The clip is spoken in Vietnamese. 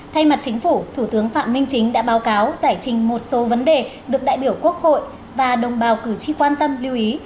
thay mặt chính phủ thủ tướng phạm minh chính đã báo cáo giải trình một số vấn đề được đại biểu quốc hội và đồng bào cử tri quan tâm lưu ý